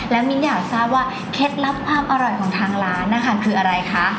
แล้วมิ้นอยากทราบว่าเคล็ดลับความอร่อยของทางร้านนะคะคืออะไรคะ